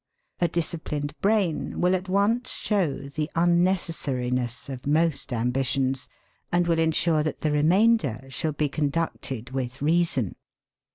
A disciplined brain will at once show the unnecessariness of most ambitions, and will ensure that the remainder shall be conducted with reason.